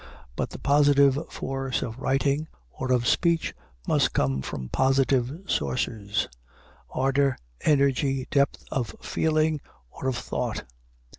But the positive force of writing or of speech must come from positive sources, ardor, energy, depth of feeling or of thought.